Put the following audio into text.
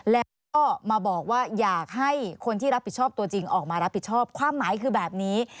แล้วก็มาบอกว่าอยากให้คนที่รับผิดชอบตัวจริงออกมารับผิดชอบความหมายคือแบบนี้